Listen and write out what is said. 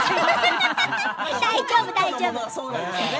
大丈夫、大丈夫。